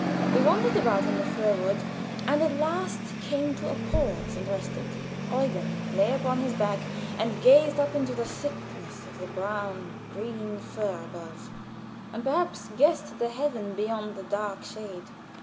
We wandered about in the fir wood, and at last came to a pause and rested. Eugen lay upon his back and gazed up into the thickness of brown green fir above, and perhaps guessed at the heaven beyond the dark shade.